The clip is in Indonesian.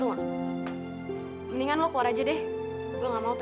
sebaiknya kamu keluar saja aku tidak mau ya